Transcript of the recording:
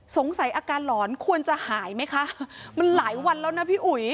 อาการหลอนควรจะหายไหมคะมันหลายวันแล้วนะพี่อุ๋ย